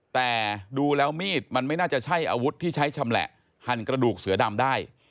แต่ดูแล้วมีดมันไม่น่าจะใช่อาวุธที่ใช้ชำแหละหันกระดูกเสือดำได้